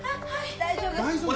大丈夫？